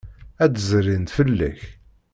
Ad d-zrint fell-ak.